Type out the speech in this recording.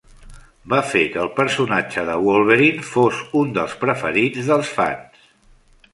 Va fer que el personatge de Wolverine fos un dels preferits dels fans.